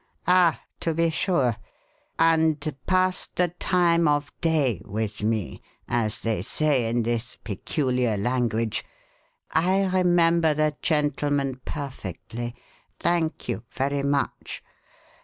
"Ah, to be sure. And 'passed the time of day' with me, as they say in this peculiar language. I remember the gentleman perfectly. Thank you very much.